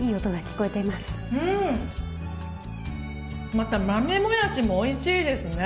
また豆もやしもおいしいですね。